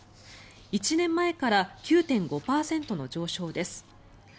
１年前から９．５％の上昇です。